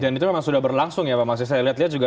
dan itu memang sudah berlangsung ya pak mas saya lihat juga